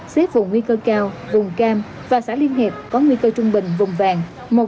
xếp vùng nguy cơ cao vùng cam và xã liên hiệp có nguy cơ trung bình vùng vàng